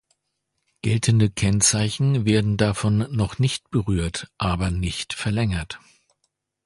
Geltende Kennzeichen werden davon noch nicht berührt, aber nicht verlängert.